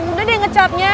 udah deh ngecatnya